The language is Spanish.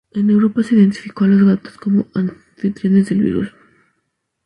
En Europa se identificó a los gatos como anfitriones del virus.